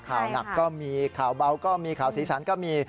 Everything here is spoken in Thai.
ข่าวหนักก็มีข่าวเบาก็มีข่าวสีสันก็มี